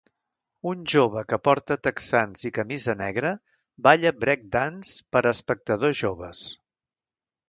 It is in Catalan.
Un jove que porta texans i camisa negra balla breakdance per a espectadors joves.